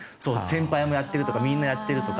先輩もやってるとかみんなやってるとか。